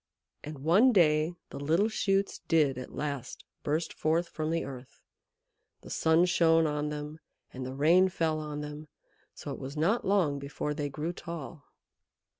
And one day the little shoots did at last burst forth from the earth. The sun shone on them, and the rain fell on them, so it was not long before they grew tall.